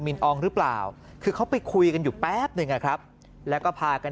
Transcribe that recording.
นอองหรือเปล่าคือเขาไปคุยกันอยู่แป๊บหนึ่งอะครับแล้วก็พากัน